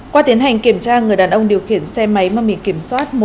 qua tiến hành kiểm tra người đàn ông điều khiển xe máy mà mình kiểm soát